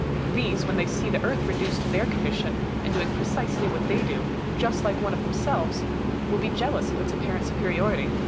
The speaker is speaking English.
These, when they see the Earth reduced to their condition, and doing pre cisely what they do, just like one of themselves, will be 176 COPERNICUS. jealous of its apparent superiority.